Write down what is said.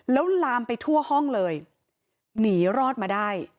แล้วลามไปทั่วห้องเลยหนีรอดมาได้